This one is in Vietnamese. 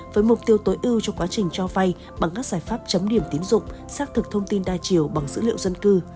với mục tiêu tối ưu cho quá trình cho vay bằng các giải pháp chấm điểm tiến dụng xác thực thông tin đa chiều bằng dữ liệu dân cư